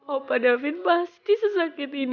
opa davin pasti sesakit ini